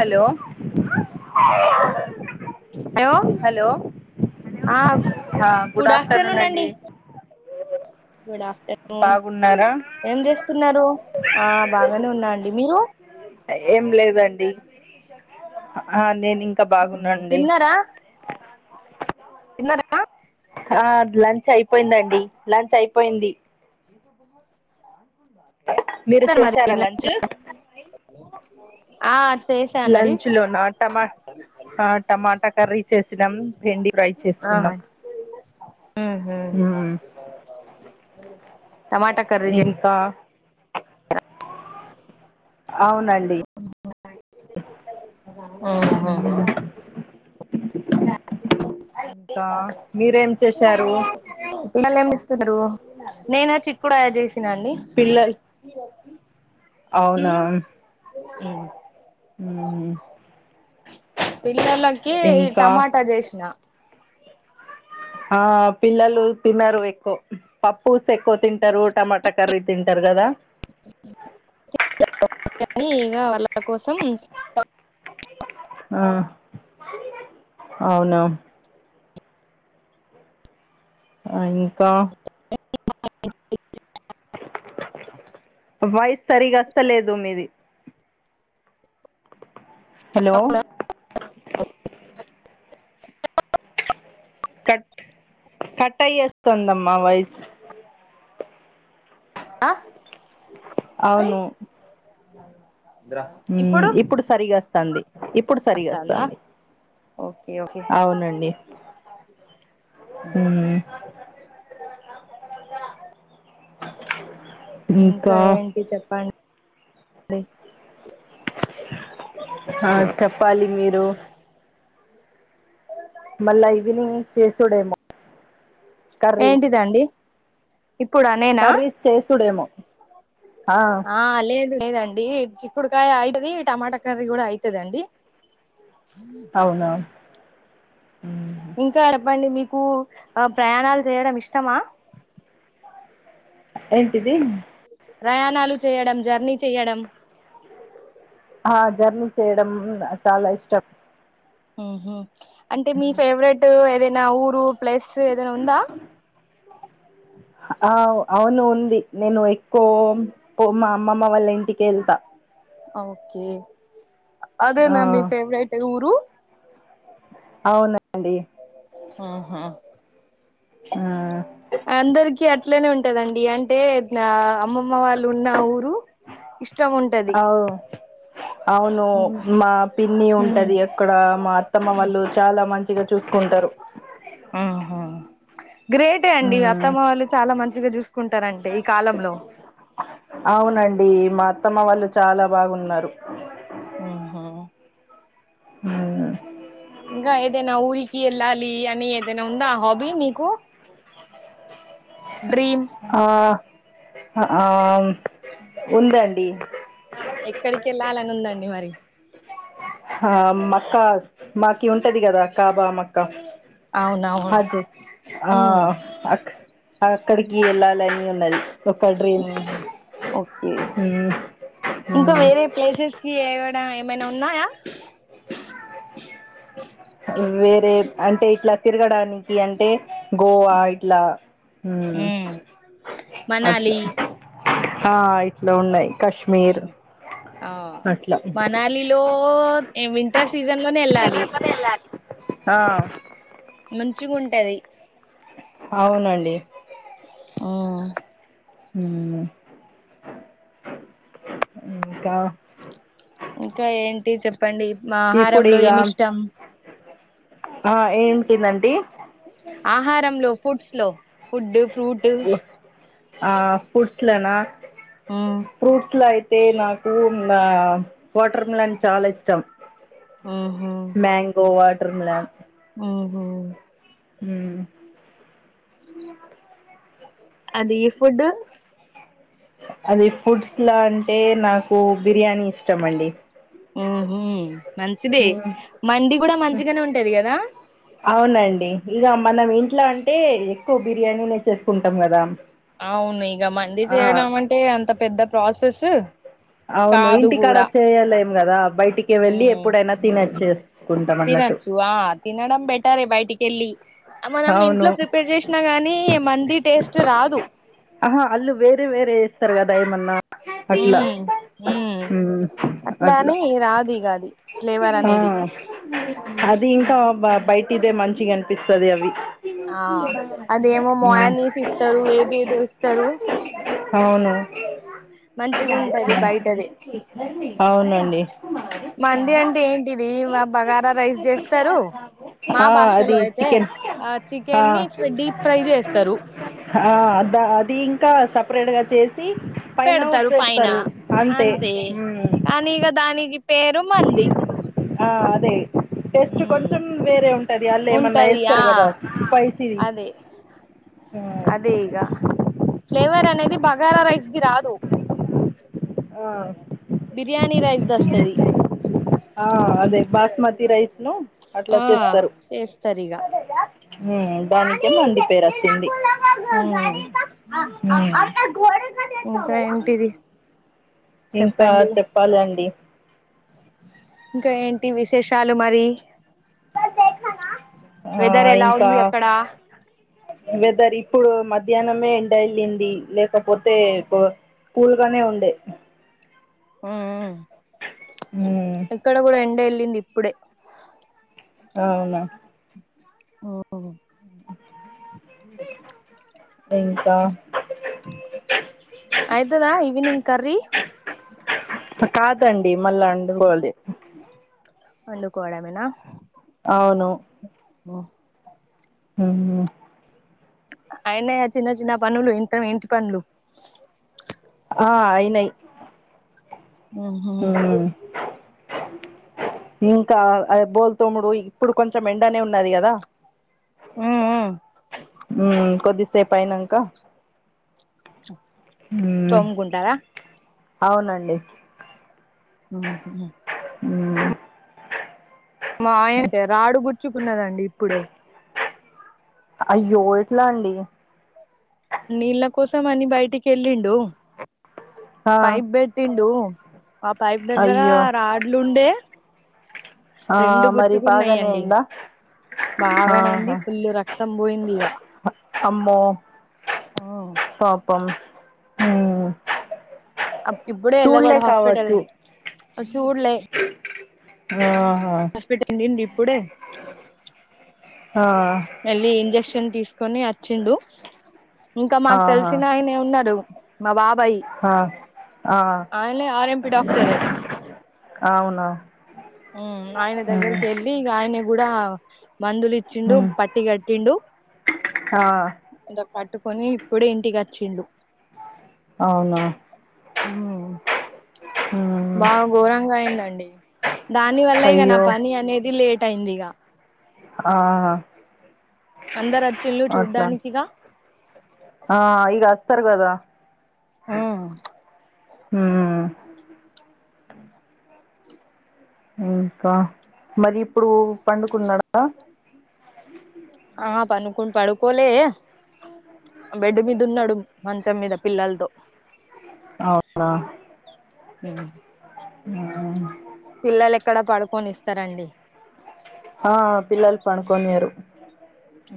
Hello hello hello ఆ ఆ good afternoon అండి ఓే గుడ్ ఆఫ్టర్నూన్ ఏం చేస్తున్నారు ఆ బాగానే ఉన్నా అండి మీరు ఏం లేదండి ఆ నేను ఇంకా బాగున్న రండి తిన్నారా ఎన్న ఆ లంచ్ అయిపోయిందండి. లంచ్ అయిపోయింది మీరు తారు మరి చేశారా నెట్ లంచ్ లో ఆ చేశానండి లంచ్ లోనా టమా ఆ టమాటా కర్రీ చేసినాం పెిండి ఫ్రై చేసుకున్నాం మ్ హు మ్మ్ టమాటా కర్రీ చెస్ ఇంకా అ అవునండి మ్ మ్మ్ హు అ ఇంకా కా మీరేం చేశారు పిల్లు ఏమి చేస్తున్నారు నేను చిక్కుడుకాయ చేసినా అండి అవున మ్ పిల్లలకి ఇంకా టమాటా చేసిన ఆ పిల్లలు తిన్నారు ఎక్కువ పప్పుస్ ఎక్కువ తింటారు టమాటా కర్రీ తింటారు కదా కాని ఇగ వాళ్ళ కోసం ఆ అవునా ఆ ఇంకా వాయిస్ సరిగా వస్తలేదు మీది హలో కట్ కట్టయి వస్తుందమ్మ వాయిస్ ఆ అవును అ ఇప్పుడు సరిగా వస్తంది ఇప్పుడు సరిగా వస్తాందా వస్తుంది ఓకే ఓకే మ్ ఇంకా ఏంటి చెప్పం డి ఆ చెప్పాలి మీరు మళ్ళా ఈవినింగ్ చేసుడేమో కర్రీస్ ఏంటిదండి ఇప్పుడా నేనా కర్రీస్ చేసుడేమో ఆ లేదు లేదండి చిక్కుడుకాయ అయితది టమాటా కర్రీ కూడా అయితదండి ఉ ఇంకా చెప్పండి మీకు ప్రయాణాలు చేయడం ఇష్టమా ఏంటిదిీ ప్రయాణాలు చేయడం జర్నీ చెయడం ఆ జర్నీ చేయడం చాలా ఇష్టం మ్ హు అంటే మీ ఫేవరెట్ ఏదైనా ఊరు ప్లేస్ ఏదైనా ఉందా ఆ అవును ఉంది నేను ఎక్కువ మా అమ్మమ్మ వాళ్ళ ఇంటికి వెళ్తా ఓకే ఆ, అదేనా మీ ఫేవరెట్ ఊరు అవునండి మ్ హు ఆ అందరికి ఇట్లనే ఉంటదండి అంటే అమ్మమ్మ వాళ్ళు ఉన్న ఊరు ఇష్టం ఉంటది ఔ అవును మా పిన్ని ఉ ఉంటది అక్కడ మా అత్తమ్మ వాళ్ళు చాలా మం చూసుకుంటరు ఆహా గ్రేటే అండి అత్తమ్మ వాళ్ళు చాలా మంచిగా చూసుకుంటరంటే ఈ కాలంలో అవునండి మా అత్తమ్మ వాళ్ళు చాలా బాగున్నారు ఊహు ఊ ఇంగా ఏదైనా ఊరికి ఎళ్ళాలి అని ఏదైనా ఉందా ఆ హాబీ మీకు డ్రీమ్ ఆ అ ఆ ఉందండి ఎక్కడి కెళ్ళాలనుందండి మరి ఆ మక్క మాకి ఉంటది గదా కాబా మక్క అవునవును అది ఆ ఉమ్ అక్ అక్కడికి ఎల్లాలని ఉన్నది ఒక డ్రీమ్ ఓకే మ్మ్. ఇంకా మ్మ్. వేరే ప్లేసెస్ కి ఏ ఏమైనా ఉన్నాయా వేరే అంటే ఇట్లా తిరగడానికి అంటే గోవా ఇట్లా మ్మ్ ఉమ్ అట్లు మనాలి ఆ ఇట్లో ఉన్నాయి కాశ్మీర్ అట్లా మనాలిలో వింటర్ సీజన్ లోనే ఎళ్ళాలి ఆ మంచిగుంటది అవునండి ఉ ఊ ఇంకా ఇంకా ఏంటి చెప్పండి ఇప్పుడు మాహారంలో ఇక ఏమిష్టం ఆ ఏమ్టిదండి ఆహారంలో ఫుడ్స్ లో ఫుడ్ ఫ్రూట్ ఆ ఫుట్లనా ఫ్రూట్లో నాకు వాటర్ మిలన్ చాల ఇష్టం ఊహు ట్రుమ్లాన్ ఊహు మ్మ్ అది ఈ ఫుడ్ అది ఫుడ్స్లా అంటే నాకు బిర్యానీ ఇష్టమండి ఊహు మంచిదే మండీ గుడా మంచిగానే ఉంటది గదా అవునండి ఇగ మనం ఇంట్లో అంటే ఎక్కువ బిర్యానీనే చేసుకుంటాం గదా అవును ఇగ మంది చేయడం అంటే అంత పెద్ద ప్రాసెస్సు అవును ఇంటికాడ చేయలేం గదా బయటికి వెళ్ళి ఎప్పుడైనా తినొచ్చే తినచ్చు ఆ తినడం బెటరే బయటికెళ్ళి ఆ మనం అవును ఇంట్లో ప్రిపేర్ చేసినా గాని మండీ టేస్ట్ రాదు ఆ అల్లు వేరే వేరే ఏస్తారు గదా యేమన్నా అట్లా ఉమ్ ఉమ్ మ్ అట్లా. అని రాదు ఇగ అది ఫ్లేవర్ హా అనేది అది ఇంకా అబ్బా బయటిదే మంచిగా అనిపిస్తది అవి ఆ అదేమో ఉమ్. మోయాన్యూస్స్ ఇస్తారు ఏది ఏదో ఇస్తారు. అవును మంచిగా ఉంటది బయటది అవునండి మంది అంటే ఏంటిది బగారా రైస్ చేస్తారు మా ఆ అది భాషలో అయితే చికెన్ ఆ ఆ చికెన్ ని డీప్ ఫ్రై చేస్తారు అ దా అది ఇంకా సపరేట్ గా చేసి పెడతారు పైన అంతే ఉమ్. కానీ ఇగా దానికి పేరు నుమ్మంది ఆ అదే టేస్ట్ కొంచెం వేరే ఉంటాది వాళ్ళు ఏమన్నా ఉంటది ఆ వేస్తారు కదా స్పైసీది. అదే ఉమ్. అదే ఇగా ఫ్లేవర్ అనేది బగారా రైస్ కి రాదు. ఆ బిర్యానీ రైస్ దస్తది. ఆ అదే బాస్మతి రైస్ ను అట్లా ఆ తేస్తరు చేస్తరిగా మ్ దానికేమో మంది పేరు వచ్చింది మ్ ఇంకా ఏంటిది ఇంకా చెప్పండి చెప్పాలండి ఇంకా ఏంటి విశేషాలు మరి ఆ వెదర్ ఎలా ఇంకా ఉంది అక్కడ వెదర్ ఇప్పుడు మధ్యాహ్నమే ఎండ ఎళ్లింది లేకపోతే బో పూల్ గానే ఉండే హ్మ్మ్ మ్మ్ ఇక్కడ కూడా ఎండ ఎళ్ళింది ఇప్పుడే ఆ అవునా ఓ గ్ హొ ఇంకా అయితదా ఈవినింగ్ కర్రీ కాదండి మల్లా అండుకోవాలి. వండుకోవడమేనా అవును హ్మ్మ్ హ్మ్మ్ అయినాయ చిన్న చిన్న పనులు ఇంత ఇంటి పనులు ఆ అయినాయి. ఉహు మ్ హ్మ్మ్ ఇంకా బోల్ తోమ్ముడు ఇప్పుడు కొంచెం ఎండనే ఉన్నది కదా. హ్మ్మ్ హ్మ్మ్ కొద్దిసేపు అయినాంకా తోముకుంటారా అవునండి హ్మ్మ్ హ్మ్మ్ మాయంటే రాడు గుచ్చుకున్నదండి ఇప్పుడే. అయ్యోట్లా ఎట్లా అండి నీళ్ళ కోసం అని బయటికి వెళ్ళిండు ఆ పైప్ పెట్టిండు ఆ పైప్ దగ్గర అయ్యో రాడ్లుండే ఆ రెండు మరి బాగానే గుచ్చుకున్నాయండి అయిందా బాగానేైంది ఆహా ఫుల్ రక్తం పోయింది ఇక అమ్మో పాపం ఊ ఇప్పుడే వెళ్ళకూడ హాస్పిటల్ చూడ్లే ఆ హాస్పిటల్ కెలిండు ఇప్పుడే ఆ మళ్ళలి ఇంజక్షన్ తీసుకొని వచ్చిండు ఇంకా మాకు ఆహా తెలిసిన ఆయన ఉన్నారు మా వాప్ ఆ ఆ ఆర్ఎంపి డాక్టరే అవునా ఉ ఆయన మ్మ్ దగ్గరికి వెళ్ళి ఇగ ఆయన కూడా మందులు ఇచ్చిండు మ్మ్ పట్టి కట్టిండు ఆ పట్టుకొని ఇప్పుడే ఇంటికి వచ్చిలు అవునా ఊ మ్మ్ బాగా ఘోరంగా అయిందండి దాని వల్ల ఇక నా అయ్యో పని అనేది లేట్ అయింది ఇక ఆహా అందరు వచ్చిలు చూడ్డానికిగా ఆ ఇగ అస్తర్ గదా ఆ మ్మ్ ఇంకా మరి ఇప్పుడు పండుకున్నడా ఆ పనుకుం పడుకోలే బెడ్ మీద ఉన్నాడు మంచం మీద పిల్లలతో అవునా ఊ మ్మ్ పిల్లలు ఎక్కడా పడుకొని ఇస్తారండి ఆ పిల్లలు పడుకొనియరు ఊ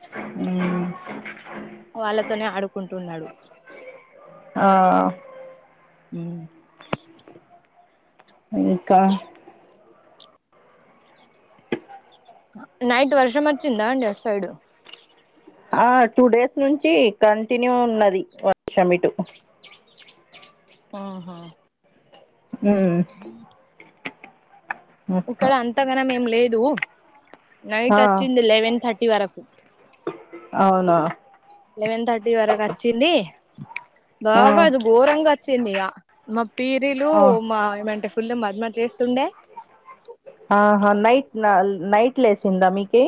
ఏ వాళ్ళతోనే ఆడుకుంటున్నాడు ఆ ఊ ఇంకా నైట్ వర్షం వచ్చిందా అండి అట్ సైడు ఆ టూ డేస్ నుంచి కంటిన్యూ ఉన్నది వర్షం ఇటు ఆహా మ్మ్ అట్లా ఇక్కడ అంతగనం ఏం లేదు నైట్ ఆ వచ్చింది లెవెన్ థర్టీ వరకు అవునా లెవెన్ థర్టీ వరకు వచ్చింది ఆ బాగా అది గోరంగా వచ్చింది ఇగ మ పీరిలు ఆ మా ఏమంటర్ పుల్ల మధమ చేస్తుండే ఆహా నైట్ న నైట్ లేసిందా మీకి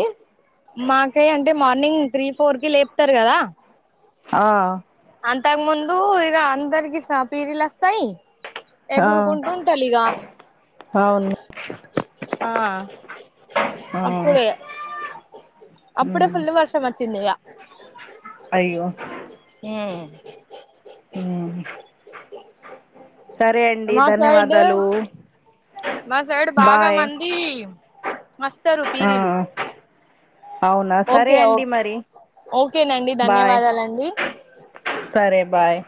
మాకేయ్ అంటే మార్నింగ్ త్రీ ఫోర్ కి లేపుతారు కదా ఆ అంతాగ్ ముందు ఇగ అందరికి స పీరిలో స్తయి ఆ ఎగురుకుంటుంటలిగా అవును ఆ ఆ అప్పుడుే అప్పుడే మ్మ్ ఫుల్ వర్షం మచ్ చింది ఇగ అయ్యో మ్ సరే అండి ధన్యవాదాలు మా సైడు బాగా బాయ్ మంది వస్తారు పీరీలు అవునా సరే ఓకే ఓ అండి మరి ఓకేనండి బాయ్ ధన్యవాదాలండి సరే బాయ్